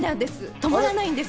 止まらないんです。